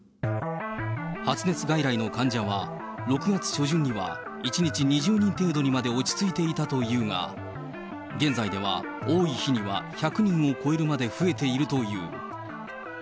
発熱外来の患者は、６月初旬には１日２０人程度にまで落ち着いていたというが、現在では多い日には１００人を超えるまで増えているという。